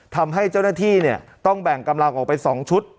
ทำให้เจ้าหน้าที่ต้องแบ่งกำลังออกไป๒ชุด